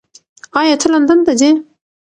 ایا ته لندن ته ځې؟